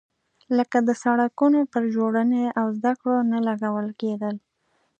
لکه د سړکونو پر جوړونې او زده کړو نه لګول کېدل.